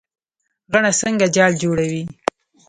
غڼه څنګه جال جوړوي؟